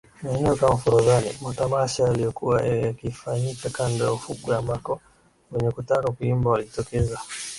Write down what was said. Maeneo kama Forodhani matamasha yaliyokuwa yakifanyika kando ya ufukwe ambako wenye kutaka kuimba walijitokeza